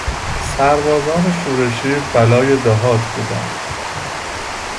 سربازان شورشی بلای دهات بودند.